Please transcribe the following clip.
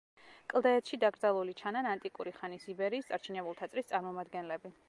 კლდეეთში დაკრძალული ჩანან ანტიკური ხანის იბერიის წარჩინებულთა წრის წარმომადგენლები.